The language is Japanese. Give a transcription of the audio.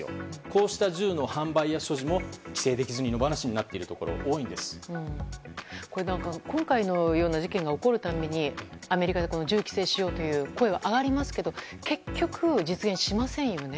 こうした銃の販売や所持も規制できずに野放しになっているところが今回のような事件が起こるたびにアメリカで銃規制しようという声が上がりますけど結局、実現しませんよね。